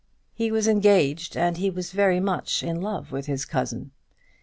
He was engaged, and he was very much in love with his cousin.